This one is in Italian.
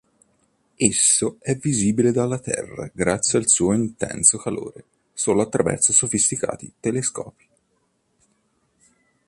Esso è visibile dalla Terra grazie al suo intenso calore solo attraverso sofisticati telescopi